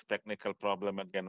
saya tidak bisa mendengar anda